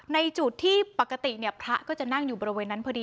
ในจุดที่ปกติพระจะนั่งอยู่บริเวณนั้น